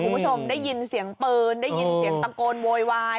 คุณผู้ชมได้ยินเสียงปืนได้ยินเสียงตะโกนโวยวาย